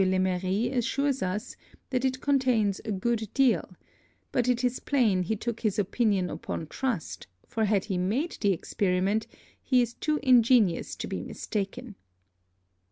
Lemery_ assures us, that it contains a good deal; but it is plain he took his Opinion upon trust, for had he made the Experiment, he is too ingenious to be mistaken.